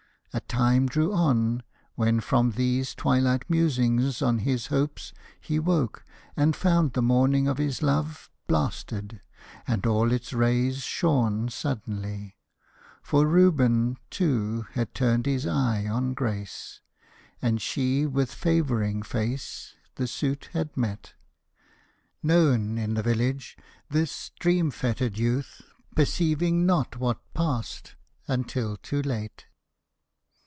A time drew on When from these twilight musings on his hopes He woke, and found the morning of his love Blasted, and all its rays shorn suddenly. For Reuben, too, had turned his eye on Grace, And she with favoring face the suit had met, Known in the village; this dream fettered youth Perceiving not what passed, until too late.